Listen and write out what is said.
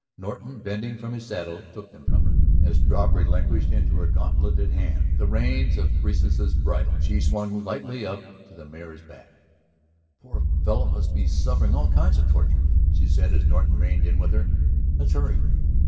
Norton bending from his saddle took them from her. As Struve relinquished into her gantletted hands the reins of Persis's bridle she swung lightly up to the mare's back. "The poor fellow must be suffering all kinds of torture," she said as Norton reined in with her. "Let's hurry."